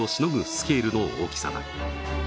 スケールの大きさだ